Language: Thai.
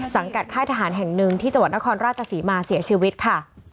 ค่ายทหารแห่งหนึ่งที่จังหวัดนครราชศรีมาเสียชีวิตค่ะ